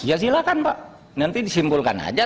ya silahkan pak nanti disimpulkan aja